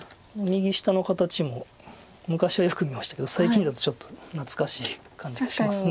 右下の形も昔はよく見ましたけど最近だとちょっと懐かしい感じがします。